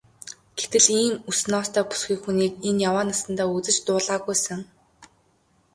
Гэтэл ийм үс ноостой бүсгүй хүнийг энэ яваа насандаа үзэж дуулаагүй сэн.